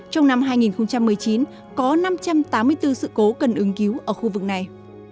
trong năm hai nghìn một mươi chín có năm trăm tám mươi bốn sự cố cần ứng cứu ở khu vực này